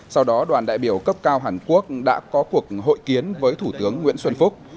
sau đó đoàn đại biểu cấp cao hàn quốc đã có cuộc hội kiến với thủ tướng nguyễn xuân phúc